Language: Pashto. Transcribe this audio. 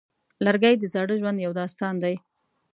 لرګی د زاړه ژوند یو داستان دی.